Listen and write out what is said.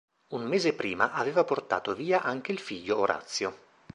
Un mese prima aveva portato via anche il figlio Orazio.